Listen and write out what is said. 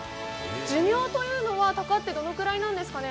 寿命というのはどれくらいなんですかね。